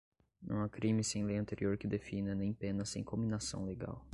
não há crime sem lei anterior que o defina, nem pena sem cominação legal